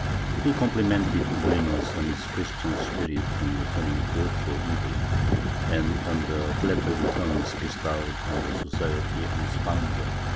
He com plimented Molinos on his Christian spirit in returning good for evil and on the flattering terms bestowed on the Society and its founder.